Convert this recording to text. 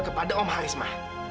kepada om harisma